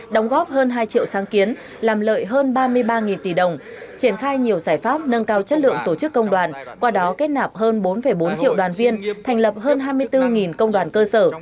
đóng góp hơn hai triệu sáng kiến làm lợi hơn ba mươi ba tỷ đồng triển khai nhiều giải pháp nâng cao chất lượng tổ chức công đoàn qua đó kết nạp hơn bốn bốn triệu đoàn viên thành lập hơn hai mươi bốn công đoàn cơ sở